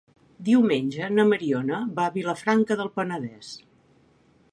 Diumenge na Mariona va a Vilafranca del Penedès.